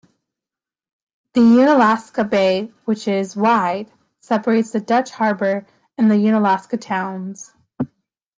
The Unalaska Bay, which is wide, separates the Dutch Harbor and Unalaska towns.